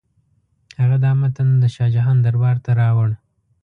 هغه دا متن د شاه جهان دربار ته راوړ.